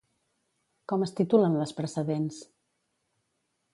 Com es titulen les precedents?